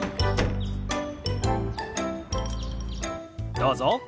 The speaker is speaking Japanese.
どうぞ。